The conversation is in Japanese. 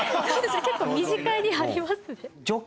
結構身近にありますね。